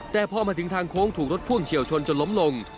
แต่พอมาถึงทางโค้งถูกรถพ่วงเฉียวชนจนล้มลง